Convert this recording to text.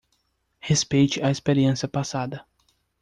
Respeite a experiência passada